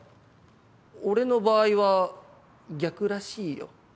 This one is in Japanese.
俺の場合は逆らしいよ。